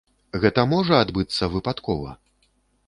Гэта можа адбыцца выпадкова?